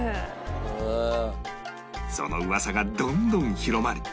その噂がどんどん広まり